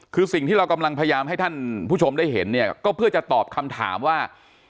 คือสิ่งที่เรากำลังพยายามให้ท่านผู้ชมได้เห็นเนี่ยก็เพื่อจะตอบคำถามว่า